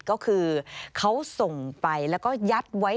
ก็คือเขาส่งไปแล้วก็ยัดไว้